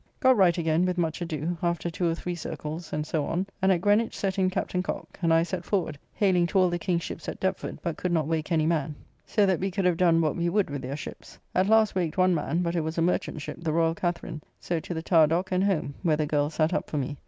Got right again with much ado, after two or three circles and so on, and at Greenwich set in Captain Cocke, and I set forward, hailing to all the King's ships at Deptford, but could not wake any man: so that we could have done what we would with their ships. At last waked one man; but it was a merchant ship, the Royall Catharine: so to the Towerdock and home, where the girl sat up for me.